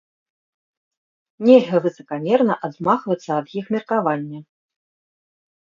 Нельга высакамерна адмахвацца ад іх меркавання.